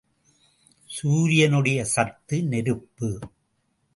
சூரியனுடைய சத்து நெருப்பு.